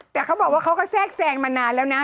แต่เขาบอกว่าเขาก็แทรกแซงมานานแล้วนะ